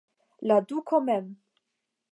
La duko mem!